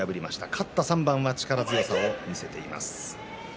勝った３番は力強さを見せています。